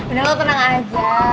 udah lo tenang aja